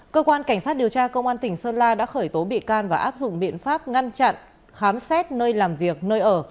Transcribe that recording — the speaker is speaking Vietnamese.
cơ quan cảnh sát điều tra công an tỉnh sơn la đã khởi tố bị can và áp dụng biện pháp ngăn chặn khám xét nơi làm việc nơi ở